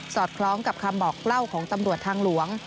อดคล้องกับคำบอกเล่าของตำรวจทางหลวง